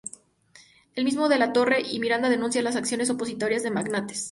El mismo De la Torre y Miranda denuncian las acciones opositoras de "magnates".